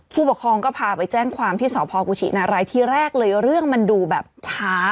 ผู้ปกครองก็พาไปแจ้งความที่สพกุชินารายที่แรกเลยเรื่องมันดูแบบช้า